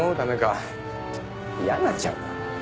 嫌になっちゃうな。